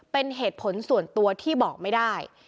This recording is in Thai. เป็นเหตุผลส่วนตัวที่บอกไม่ได้